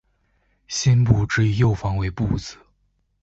辛部只以右方为部字。